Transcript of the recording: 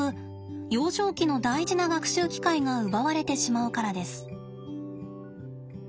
幼少期の大事な学習機会が奪われてしまうからです。